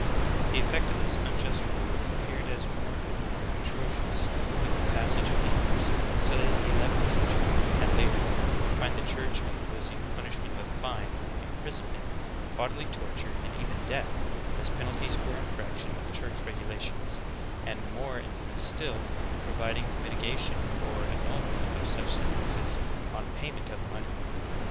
"^ The effect of this unjust rule ap peared as more and more atrocious with the passage of the years, so that in the eleventh century, and later, we find the Church imposing punishment of fine, imprisonment, bodily torture, and even death, as penalties for infraction of church regulations, and, more infamous still, providing for mitiga tion or annulment of such sentences on payment of mon ey.